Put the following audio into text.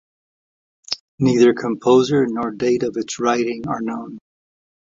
Neither composer nor date of its writing are known.